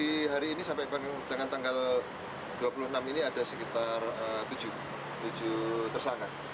di hari ini sampai dengan tanggal dua puluh enam ini ada sekitar tujuh tersangka